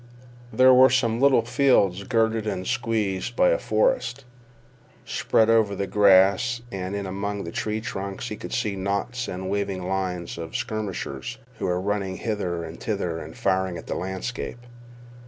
There were some little fields girted and squeezed by a forest. Spread over the grass and in among the tree trunks, he could see knots and waving lines of skirmishers who were running hither and thither and firing at the landscape.